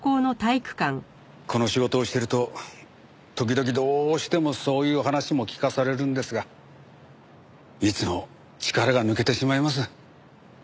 この仕事をしてると時々どうしてもそういう話も聞かされるんですがいつも力が抜けてしまいます。